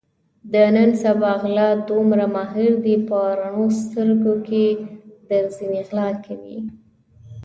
د نن سبا غله دومره ماهر دي په رڼو سترګو کې درځنې غلا کوي.